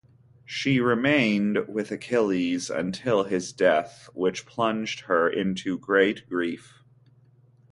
She remained with Achilles until his death, which plunged her into great grief.